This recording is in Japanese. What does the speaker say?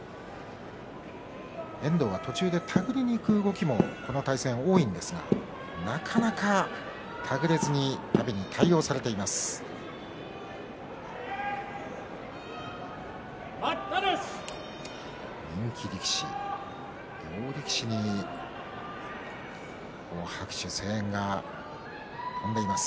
遠藤は途中で手繰りにいく動きがこの対戦、多いんですがなかなか手繰れずに相手に対応されてしまっています。